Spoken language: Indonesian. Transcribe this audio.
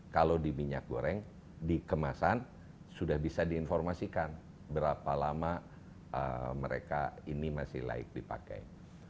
kalau di minyak goreng dikemasan sudah bisa diinformasikan berapa lama mereka ini masih laik dipakai